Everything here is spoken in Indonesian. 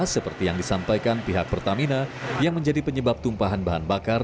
seperti yang disampaikan pihak pertamina yang menjadi penyebab tumpahan bahan bakar